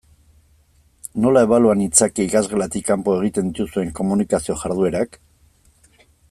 Nola ebalua nitzake ikasgelatik kanpo egiten dituzuen komunikazio jarduerak?